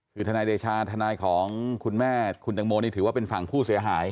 คือทนายเดชาทนายของคุณแม่คุณตังโมนี่ถือว่าเป็นฝั่งผู้เสียหาย